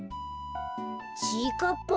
ちぃかっぱ？